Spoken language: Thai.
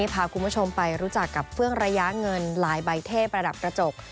พาคุณผู้ชมไปรู้จักกับเฟื่องระยะเงินหลายใบเท่ประดับกระจก